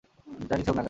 যা কিছুই হোক না কেনো!